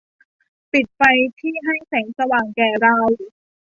ปิดไฟที่ให้แสงสว่างแก่เรา